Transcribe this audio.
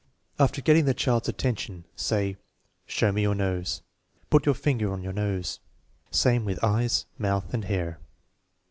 After getting the child's attention, say: " Show me your nose." " Put your finger on your nose." Same with eyes, mouth, and hair.